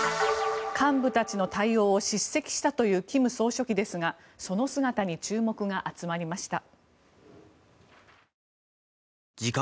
幹部たちの対応を叱責したという金総書記ですがその姿に注目が集まりました。